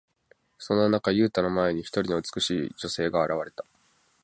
そんな中、ユウタの前に、一人の美しい女性が現れた。